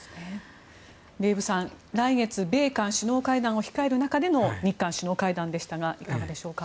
デーブさん、来月米韓首脳会談を控える中での日韓首脳会談でしたがいかがでしょうか。